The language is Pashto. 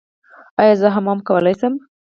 ایا زه حمام کولی شم؟